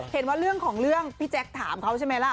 เห็นว่าเรื่องของเรื่องพี่แจ๊คถามเขาใช่ไหมล่ะ